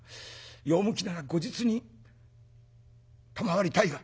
用向きなら後日に賜りたいが」。